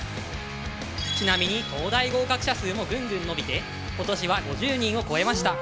ちなみに東大合格者数もぐんぐん伸びて今年は５０人を超えました。